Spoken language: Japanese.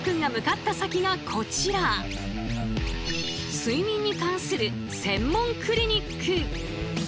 睡眠に関する専門クリニック！